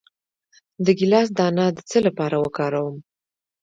د ګیلاس دانه د څه لپاره وکاروم؟